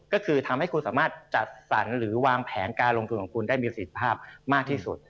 ก็คือทำให้คุณสามารถจัดสรรหรือวางแผนการลงทุนของคุณได้มีประสิทธิภาพมากที่สุด